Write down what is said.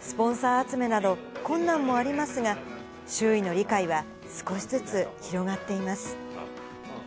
スポンサー集めなど困難もありますが、周囲の理解は少しずつ広がっています。